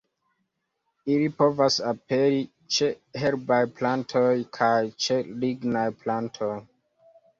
Ili povas aperi ĉe herbaj plantoj kaj ĉe lignaj plantoj.